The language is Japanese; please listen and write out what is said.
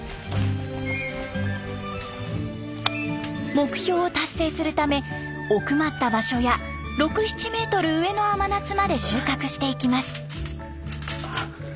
目標を達成するため奥まった場所や６７メートル上の甘夏まで収穫していきます。